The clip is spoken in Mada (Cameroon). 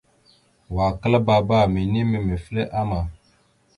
Wa klaabba minime mefle ama.